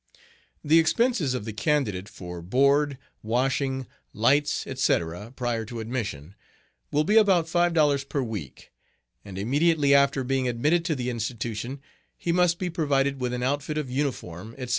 The expenses of the candidate for board, washing, lights, etc., prior to admission, will be about $5 per week, and immediately after being admitted to the Institution he must be provided with an outfit of uniform, etc.